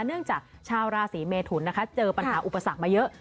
เนื่องจากชาวราศีเมทุนนะคะเจอปัญหาอุปสรรคมาเยอะ